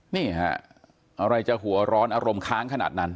นี่ฮะอะไรจะหัวร้อนอารมณ์ค้างขนาดนั้น